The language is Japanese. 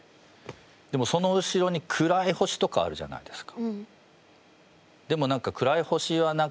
でもその後ろに暗い星とかあるじゃないですか。